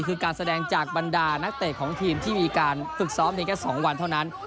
คือการแสดงจากบรรดานักเตะของทีมที่มีการฝึกซ้อมเพียงแค่๒วันเท่านั้น